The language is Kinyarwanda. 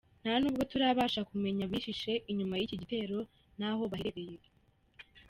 Nta n’ubwo turabasha kumenya abihishe inyuma y’iki gitero n’aho baherereye.”